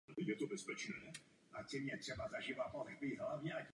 Assunção Estevesová byla vždy velmi aktivní.